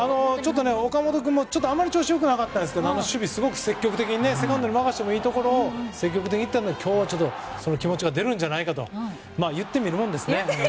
岡本君も調子良くなかったですけどあの守備はすごく積極的でセカンドに任せてもいいところを自分で行ったので、今日はその気持ちが出るんじゃないかと言ってみるもんですね。